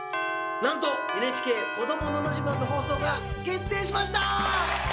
なんと「ＮＨＫこどものど自慢」の放送が決定しました！